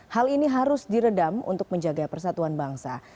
hal ini harus diredam untuk menjaga persatuan bangsa